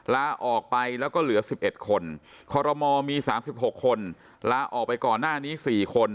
ลาออกไปแล้วก็เหลือ๑๑คนคอรมอลมี๓๖คนลาออกไปก่อนหน้านี้๔คน